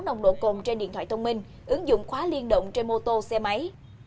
nồng độ cồn trên điện thoại thông minh ứng dụng khóa liên động trên mô tô xe máy